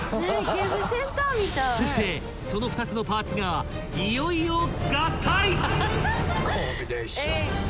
［そしてその２つのパーツがいよいよ］